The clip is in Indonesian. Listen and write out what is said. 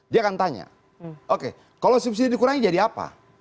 dia akan tanya oke kalau subsidi dikurangi jadi apa